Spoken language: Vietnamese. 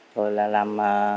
rồi là làm